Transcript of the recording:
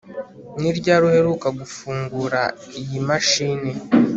ni ryari uheruka gufungura iyi mashini